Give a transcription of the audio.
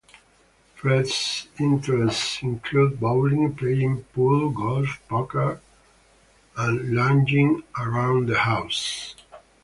Fred's interests include bowling, playing pool, golf, poker and lounging around the house.